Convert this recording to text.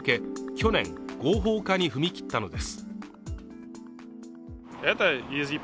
去年合法化に踏み切ったのです